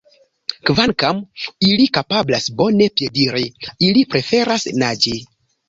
Kvankam ili kapablas bone piediri, ili preferas naĝi.